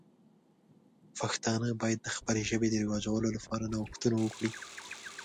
پښتانه باید د خپلې ژبې د رواجولو لپاره نوښتونه وکړي.